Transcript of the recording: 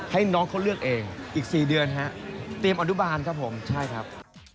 ให้น้องเขาเลือกเองอีก๔เดือนฮะเตรียมอนุบาลครับผมใช่ครับ